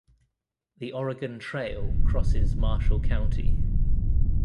The Oregon Trail crosses Marshall County.